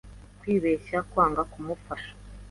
Kwibeshya kwanga kumufasha.